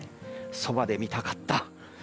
そばで見たかった。